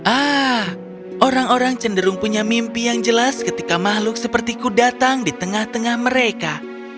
ah orang orang cenderung punya mimpi yang jelas ketika makhluk sepertiku datang di tengah tengah mereka